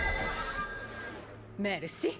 メルシー。